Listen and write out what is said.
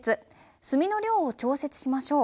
墨の量を調節しましょう。